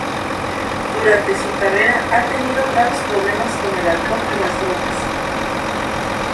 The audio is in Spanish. Durante su carrera ha tenido graves problemas con el alcohol y las drogas.